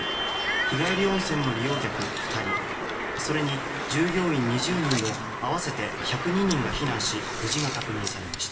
日帰り温泉の利用客２人それに従業員２０人のあわせて１０２人が避難し無事が確認されました。